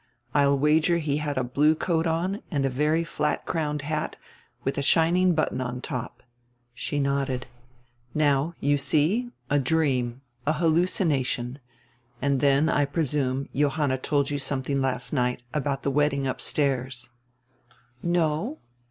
I'll wager he had a hlue coat on and a very flat crowned hat, widi a shining button on top." She nodded. "Now you see, a dream, a hallucination. And then, I presume, Johanna told you somediing last night, about die wedding upstairs." "No."